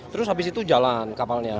terus habis itu jalan kapalnya